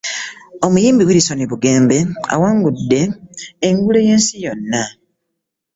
Omuyimbi Wilson Bugembe awangudde engule yensi yonna.